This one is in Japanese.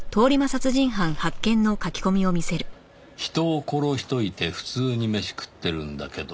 「人を殺しといて普通に飯食ってるんだけど」